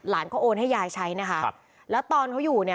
หลานก็โอนให้ยายใช้นะคะ